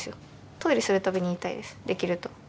トイレするたびに痛いですできると。